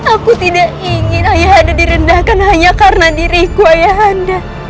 aku tidak ingin ayah anda direndahkan hanya karena diriku ayah anda